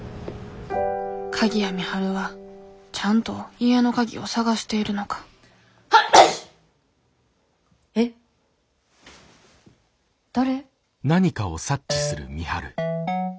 鍵谷美晴はちゃんと家の鍵を捜しているのかえっ誰？